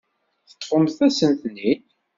Teṭṭfeḍ-asen-ten-id.